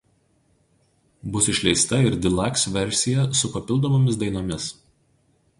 Bus išleista ir deluxe versija su papildomomis dainomis.